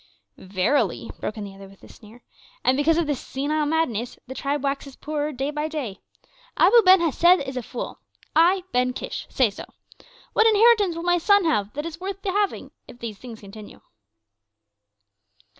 '" "Verily," broke in the other with a sneer, "and because of this senile madness the tribe waxes poorer day by day. Abu Ben Hesed is a fool! I, Ben Kish, say so. What inheritance will my sons have that is worth the having if these things continue?"